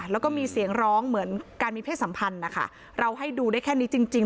แล้วก็มีเสียงร้องเหมือนการมีเพศสัมพันธ์นะคะเราให้ดูได้แค่นี้จริงจริง